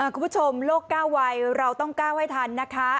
คุณผู้ชมโลก๙วัยเราต้องก้าวให้ทันนะคะ